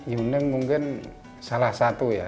yuning mungkin salah satu ya